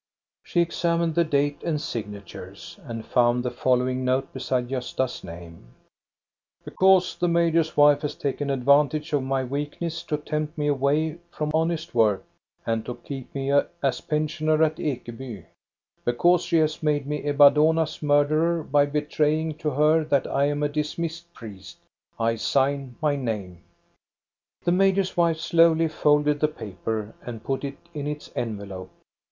She examined the date and signatures, and found the following note beside Gosta's name :" Because the major's wife has taken advantage of my weakness to tempt me away from honest work, and to keep me as pensioner at Ekeby, because she has made me Ebba Dohna's murderer by betraying to her that I am a dismissed priest, I sign my name." The major's wife slowly folded the paper and put it in its envelope.